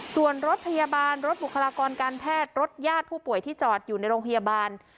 ส่วนรถพยาบาลรถบุคลากรการแพทย์รถญาติผู้ป่วยที่จอดอยู่ในโรงพยาบาล